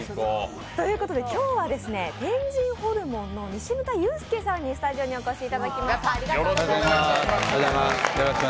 今日は天神ホルモンの西牟田祐介さんにスタジオにお越しいただきました。